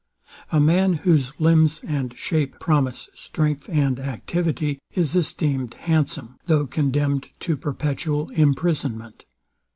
A man, whose limbs and shape promise strength and activity, is esteemed handsome, though condemned to perpetual imprisonment.